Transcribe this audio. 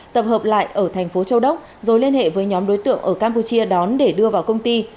tập hợp lại ở thành phố châu đốc rồi liên hệ với nhóm đối tượng ở campuchia đón để đưa vào công ty